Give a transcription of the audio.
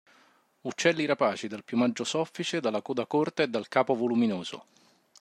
Uccelli rapaci dal piumaggio soffice, dalla coda corta e dal capo voluminoso.